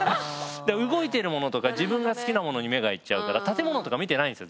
動いてるものとか自分が好きなものに目がいっちゃうから建物とか見てないんですよ